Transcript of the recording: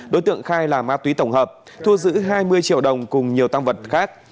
đối tượng khai là ma túy tổng hợp thua giữ hai mươi triệu đồng cùng nhiều tam vật khác